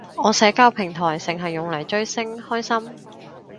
我社交平台剩係用嚟追星，開心